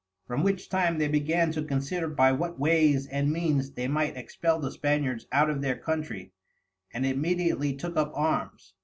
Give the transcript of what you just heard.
From which time they began to consider by what wayes and means they might expel the Spaniards out of their Countrey, and immediately took up Arms.